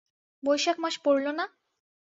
বৈশাখ মাস পড়ল না?